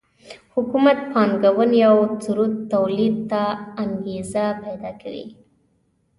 حکومت پانګونې او ثروت تولید ته انګېزه پیدا کوي